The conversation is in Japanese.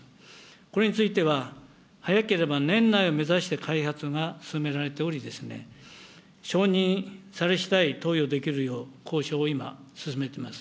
これについては、早ければ年内を目指して開発が進められており、承認されしだい、投与できるよう、交渉を今、進めています。